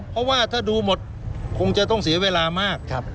เพราะว่าถ้าดูหมดคงจะต้องเสียเวลามาก